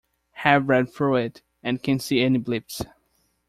Have read through it, and can't see any blips.